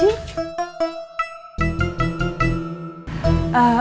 bu saya mau tanya